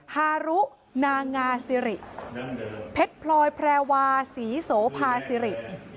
ฮารุนางาซิริเพชรพลอยแพรวาศรีโสภาสิริ